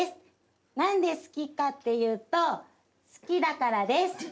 「何で好きかっていうと好きだからです」